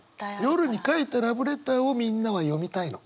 夜に書いたラブレターをみんなは読みたいの。